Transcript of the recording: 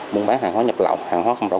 buôn bán hàng hóa nhập lộng hàng hóa không rộng